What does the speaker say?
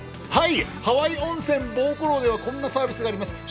ハワイ温泉望湖楼ではこんなサービスがあります。